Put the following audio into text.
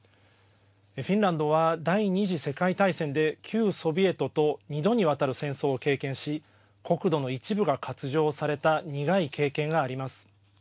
フィンランドは第２次世界大戦で旧ソビエトと２度にわたる戦争を経験し国土の一部が割譲された苦い経験があります。